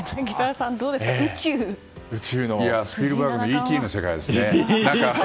スピルバーグの「Ｅ．Ｔ．」の世界ですね。